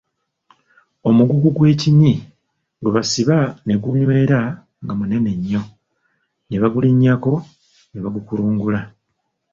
Omugugu ogwekinyi gwe basiba ne gunywera nga munene nnyo, ne bagulinnyako, ne bagukulungula.